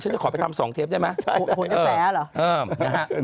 ฉันจะขอไปทำสองเทปได้ไหมใช่เออหัวแสลเหรอเอิ่มนะฮะ